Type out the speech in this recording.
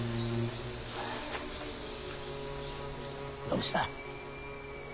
どうした。